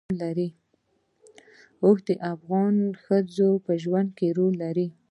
اوښ د افغان ښځو په ژوند کې رول لري.